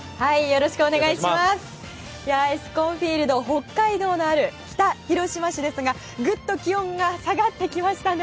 エスコンフィールドＨＯＫＫＡＩＤＯのある北広島市ですが、ぐっと気温が下がってきましたね。